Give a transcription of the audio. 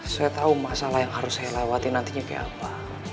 saya tahu masalah yang harus saya lewati nantinya kayak apa